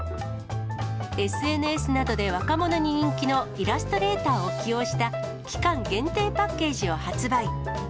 ＳＮＳなどで若者に人気のイラストレーターを起用した、期間限定パッケージを発売。